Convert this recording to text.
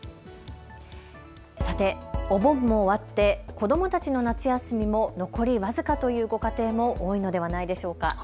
さてお盆も終わって子どもたちの夏休みも残り僅かというご家庭も多いのではないでしょうか。